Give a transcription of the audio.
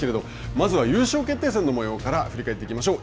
まずは優勝決定戦の模様から振り返っていきましょう。